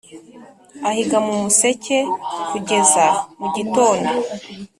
Ahiga mu museke kugeza mu gitondo